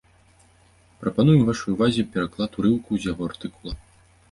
Прапануем вашай увазе пераклад урыўку з яго артыкула.